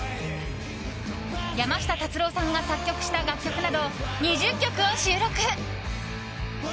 山下達郎さんが作曲した楽曲など２０曲を収録。